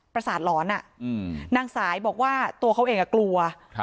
ประสาทหลอนนางสายบอกว่าตัวเขาเองกลัว